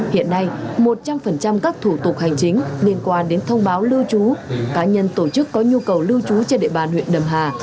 hiện nay một trăm linh các thủ tục hành chính liên quan đến thông báo lưu trú cá nhân tổ chức có nhu cầu lưu trú trên địa bàn huyện đầm hà